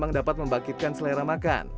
jadi tentu kita mesti berhati hati